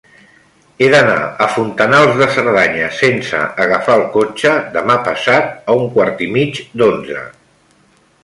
He d'anar a Fontanals de Cerdanya sense agafar el cotxe demà passat a un quart i mig d'onze.